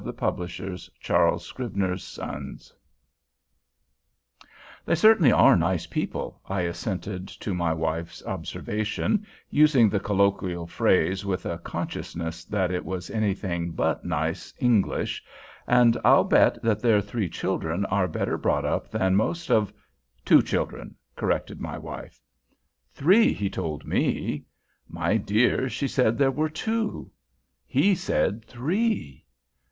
THE NICE PEOPLE By Henry Cuyler Bunner (1855–1896) "They certainly are nice people," I assented to my wife's observation, using the colloquial phrase with a consciousness that it was anything but "nice" English, "and I'll bet that their three children are better brought up than most of——" "Two children," corrected my wife. "Three, he told me." "My dear, she said there were two." "He said three."